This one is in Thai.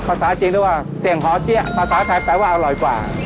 ภาษาจีนหรือว่าเสียงหอเจี๊ยภาษาไทยแปลว่าอร่อยกว่า